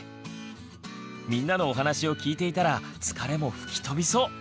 みんなのお話を聞いていたら疲れも吹き飛びそう！